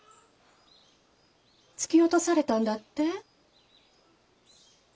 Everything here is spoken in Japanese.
突き落とされたんだって？